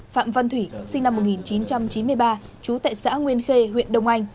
phạm văn thủy sinh năm một nghìn chín trăm chín mươi ba trú tại xã nguyên khê huyện đông anh